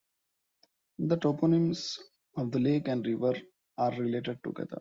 The toponyms of the lake and river are related together.